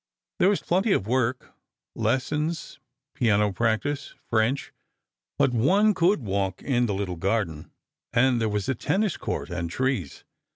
There was plenty of work: lessons, piano practice, French ... but one could walk in the little garden, and there was a tennis court, and trees.